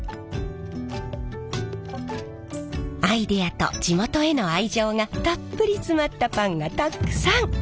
アイデアと地元への愛情がたっぷり詰まったパンがたくさん。